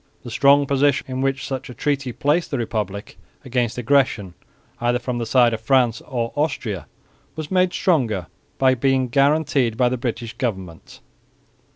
The strong position in which such a treaty placed the Republic against aggression, either from the side of France or Austria, was made stronger by being guaranteed by the British government.